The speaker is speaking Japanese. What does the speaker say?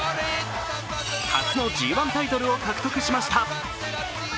初のＧⅠタイトルを獲得しました。